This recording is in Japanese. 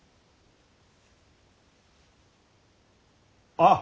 あっ！